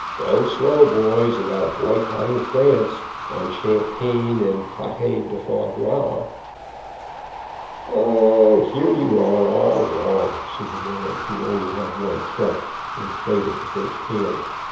Go slow, boys, about boycotting France, on champagne and patte de foi gras." "O, here, you are all wrong," said the man who only had one trump, and played it the first hand.